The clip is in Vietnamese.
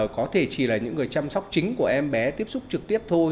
có thể chỉ là những người chăm sóc chính của em bé tiếp xúc trực tiếp thôi